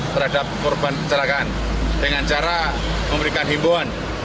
korban pencelakaan dengan cara memberikan himbawan